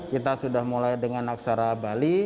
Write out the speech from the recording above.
kita sudah mulai dengan aksara bali